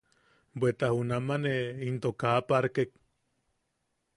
Bweta junameʼe into kaa parkek.